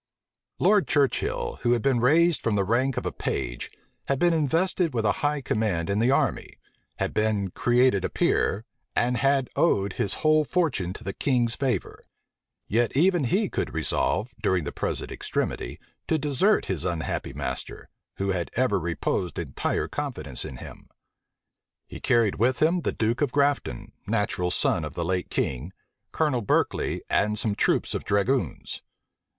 Lord Churchill had been raised from the rank of a page had been invested with a high command in the army, had been created a peer, and had owed his whole fortune to the king's favor: yet even he could resolve, during the present extremity, to desert his unhappy master, who had ever reposed entire confidence in him. He carried with him the duke of Grafton, natural son of the late king, Colonel Berkeley, and some troops of dragoons.